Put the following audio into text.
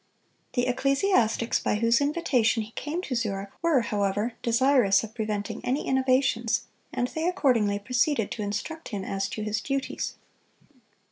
The ecclesiastics by whose invitation he came to Zurich were, however, desirous of preventing any innovations, and they accordingly proceeded to instruct him as to his duties.